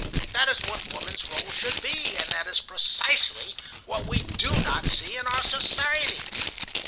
That is what woman's rôle should be, and that is precisely what we do not see in our society.